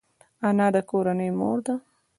انا د کورنۍ مور ده